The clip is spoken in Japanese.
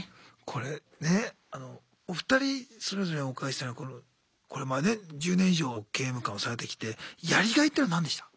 これねお二人それぞれお伺いしたいのがこれまで１０年以上刑務官をされてきてやりがいっていうの何でした？